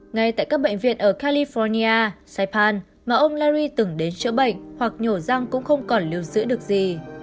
ngay tại các bệnh viện ở california sypan mà ông lary từng đến chữa bệnh hoặc nhổ răng cũng không còn lưu giữ được gì